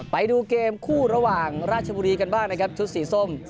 ไปดูเกมคู่ระหว่างราชบุรีกันบ้างนะครับชุดสีส้ม